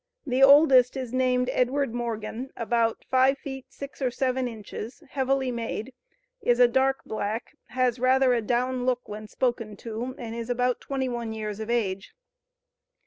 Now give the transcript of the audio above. The oldest is named Edward Morgan, about five feet six or seven inches, heavily made is a dark black, has rather a down look when spoken to, and is about 21 years of age.